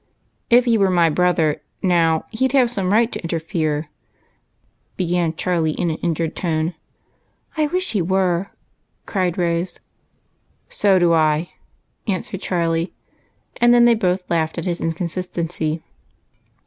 " If he was my brother, now, he 'd have some right to interfere," began Charlie, in an injured tone. " I wish he was !" cried Rose. " So do I," answered Charlie, and then they both lauglied at his inconsistency.